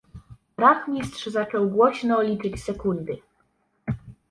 "Rachmistrz zaczął głośno liczyć sekundy."